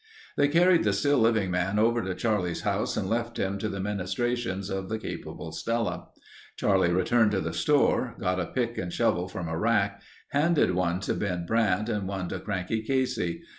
They carried the still living man over to Charlie's house and left him to the ministrations of the capable Stella. Charlie returned to the store, got a pick and shovel from a rack, handed one to Ben Brandt and one to Cranky Casey.